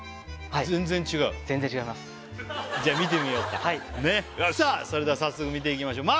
はいじゃあ見てみようかはいそれでは早速見ていきましょう